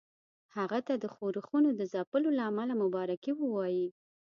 هغه ته د ښورښونو د ځپلو له امله مبارکي ووايي.